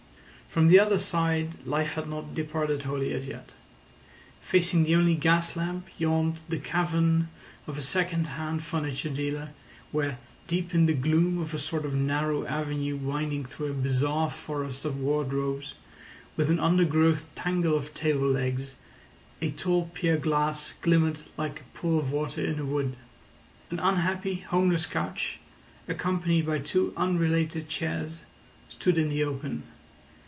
From the other side life had not departed wholly as yet. Facing the only gas lamp yawned the cavern of a second hand furniture dealer, where, deep in the gloom of a sort of narrow avenue winding through a bizarre forest of wardrobes, with an undergrowth tangle of table legs, a tall pier glass glimmered like a pool of water in a wood. An unhappy, homeless couch, accompanied by two unrelated chairs, stood in the open.